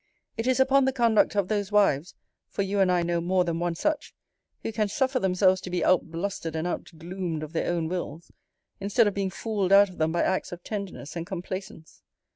It is upon the conduct of those wives (for you and I know more than one such) who can suffer themselves to be out blustered and out gloomed of their own wills, instead of being fooled out of them by acts of tenderness and complaisance.